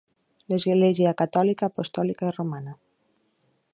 L'Església Catòlica, apostòlica i romana.